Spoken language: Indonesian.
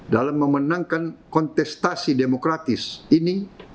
dalam memenangkan kontestasi demokratis ini